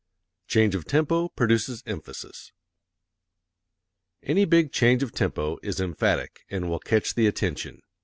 Change of Tempo Produces Emphasis Any big change of tempo is emphatic and will catch the attention.